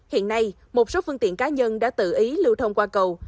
hiện nay một số phương tiện cá nhân đã tự ý lưu thông qua cầu